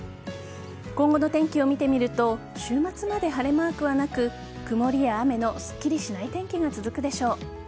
今後の天気を見てみると週末まで晴れマークはなく曇りや雨のすっきりしない天気が続くでしょう。